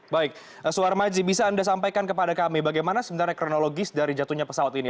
baik suhar maji bisa anda sampaikan kepada kami bagaimana sebenarnya kronologis dari jatuhnya pesawat ini